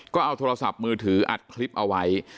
ก็เอาโทรศัพท์มือถืออัดคลิปเอาไว้